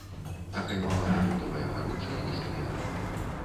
Акаймавана бутавай агароджай і скверам.